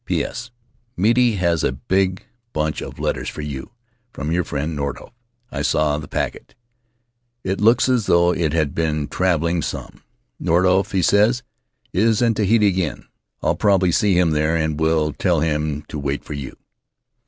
P. S. — Miti has a big bunch of letters for you, from your friend Nordhoff. I saw the packet. It looks as though it had been travel ing some. Nordhoff, he says, is in Tahiti again. I'll probabbr see him there and will tell him to wait for you.